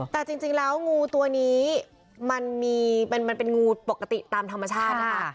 แต่จริงแล้วงูตัวนี้มันมีมันเป็นงูปกติตามธรรมชาตินะคะ